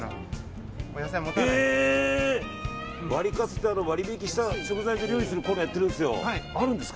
ワリカツって割引した食材で料理するコーナーやってるんです。